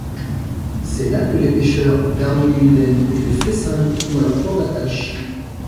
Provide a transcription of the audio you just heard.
C'est là que les pêcheurs d'Arnemuiden et de Flessingue ont leur port d'attache.